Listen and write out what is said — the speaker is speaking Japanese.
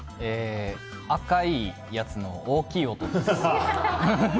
赤いやつの大きい音です。